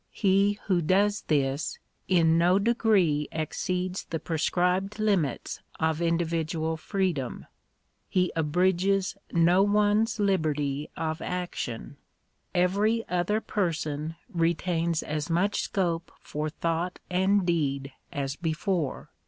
He who does this, in no degree exceeds the prescribed limits of individual freedom. He abridges no one's liberty of action. Every other person retains as much scope for thought and deed as before.